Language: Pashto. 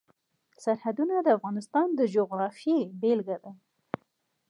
سرحدونه د افغانستان د جغرافیې بېلګه ده.